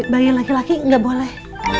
bayi laki laki nggak boleh